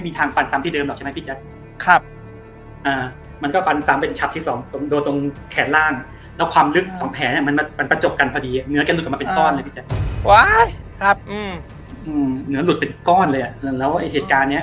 มันก็ก็ฟันซ้ำแคดล่างและความลึกมันเป็นจบกันพอดีเนื้อนำลุดออกมาเป็นก้อนเลย